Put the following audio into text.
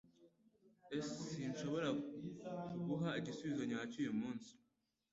S Sinshobora kuguha igisubizo nyacyo uyu munsi.